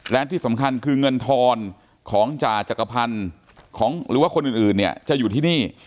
และที่สำคัญคือเงินทอนของจ่าจักรพันธ์ของหรือว่าคนอื่นเนี่ยจะอยู่ที่นี่